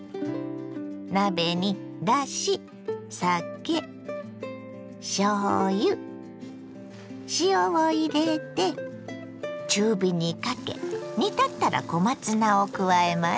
鍋にだし酒しょうゆ塩を入れて中火にかけ煮立ったら小松菜を加えます。